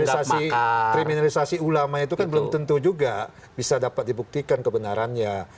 kriminalisasi ulama itu kan belum tentu juga bisa dapat dibuktikan kebenarannya